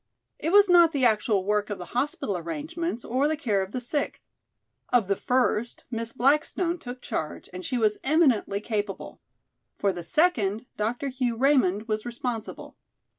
It was not the actual work of the hospital arrangements or the care of the sick. Of the first Miss Blackstone took charge and she was eminently capable; for the second Dr. Hugh Raymond was responsible.